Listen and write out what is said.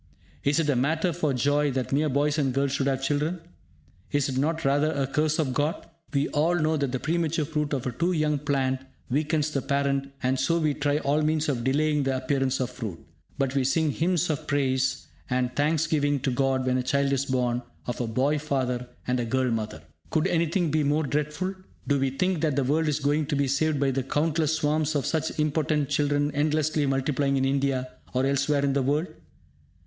Is it a matter for joy that mere boys and girls should have children? Is it not rather a curse of God? We all know that the premature fruit of a too young plant weakens the parent, and so we try all means of delaying the appearance of fruit. But we sing hymns of praise and thanks giving to God when a child is born of a boy father and a girl mother! Could anything be more dreadful? Do we think that the world is going to be saved by the countless swarms of such impotent children endlessly multiplying in India or elsewhere in the world?